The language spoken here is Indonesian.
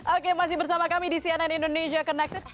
oke masih bersama kami di cnn indonesia connected